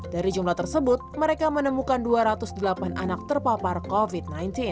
dari jumlah tersebut mereka menemukan dua ratus delapan anak terpapar covid sembilan belas